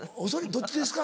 どっちですか？